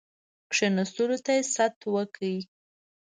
کښېنستلو ته ست وکړ.